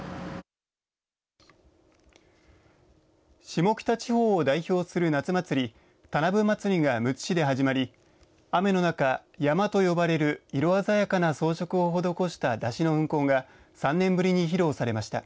下北地方を代表する夏祭り田名部まつりが、むつ市で始まり雨の中、ヤマと呼ばれる色鮮やかな装飾を施した山車の運行が３年ぶりに披露されました。